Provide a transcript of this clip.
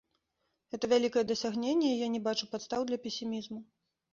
Гэта вялікае дасягненне, і я не бачу падстаў для песімізму.